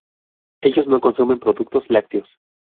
Ellos no consumen productos lácteos.